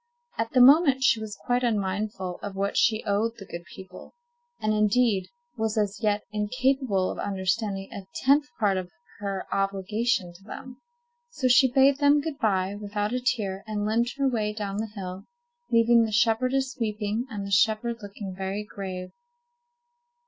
At the moment she was quite unmindful of what she owed the good people, and, indeed, was as yet incapable of understanding a tenth part of her obligation to them. So she bade them good by without a tear, and limped her way down the hill, leaving the shepherdess weeping, and the shepherd looking very grave.